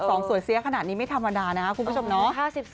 สวยเสียขนาดนี้ไม่ธรรมดานะครับคุณผู้ชมเนาะ